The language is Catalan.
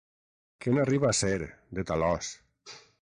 Que n'arriba a ser, de talòs!